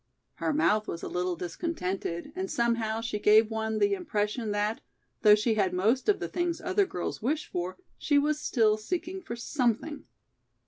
Her mouth was a little discontented and somehow she gave one the impression that, though she had most of the things other girls wish for, she was still seeking for something.